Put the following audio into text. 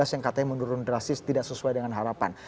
yang katanya menurun drastis tidak sesuai dengan harapan